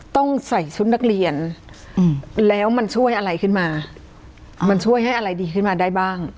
ต้องใส่ชุดนักเรียนแล้วมันช่วยอะไรขึ้นมามันช่วยให้อะไรดีขึ้นมาได้บ้าง